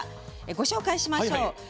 ご紹介しましょう。